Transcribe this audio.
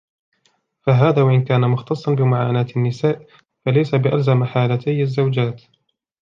فَهَذَا وَإِنْ كَانَ مُخْتَصًّا بِمُعَانَاةِ النِّسَاءِ فَلَيْسَ بِأَلْزَمَ حَالَتَيْ الزَّوْجَاتِ